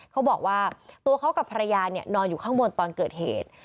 เขาบอกว่าตัวเขากับภรรยานอนอยู่ข้างบนตอนเกิดเหตุ